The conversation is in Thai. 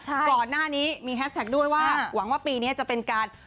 ใช่ก่อนหน้านี้มีด้วยว่าหวังว่าปีเนี้ยจะเป็นการ